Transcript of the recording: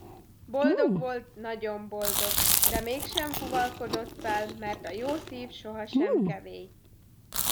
Boldog volt, nagyon boldog, de mégsem fuvalkodott fel, mert a jó szív sohasem kevély.